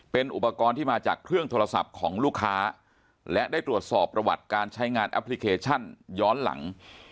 เป็นอุปกรณ์ที่มาจากเครื่องโทรศัพท์ของลูกค้าและได้ตรวจสอบประวัติการใช้งานแอปพลิเคชันย้อนหลัง